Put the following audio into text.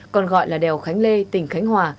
còn gọi là đèo khánh lê tỉnh khánh hòa